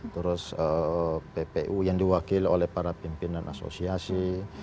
terus ppu yang diwakil oleh para pimpinan asosiasi